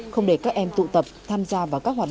không để các em tụ tập tham gia vào các hoạt động